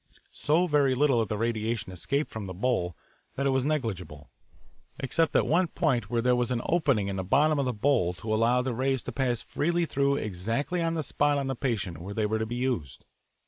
So very little of the radiation escaped from the bowl that it was negligible except at one point where there was an opening in the bottom of the bowl to allow the rays to pass freely through exactly on the spot on the patient where they were to be used.